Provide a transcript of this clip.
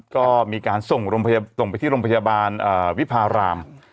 ก็มีการส่งไปที่โรงพยาบาลวิพาราม